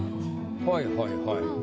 はいはいはい。